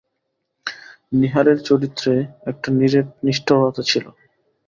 নীহারের চরিত্রে একটা নিরেট নিষ্ঠুরতা ছিল।